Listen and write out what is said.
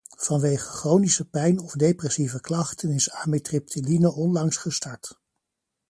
Vanwege chronische pijn of depressieve klachten is amitriptyline onlangs gestart.